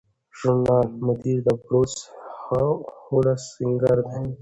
د ژورنال مدیر بروس هولسینګر دی.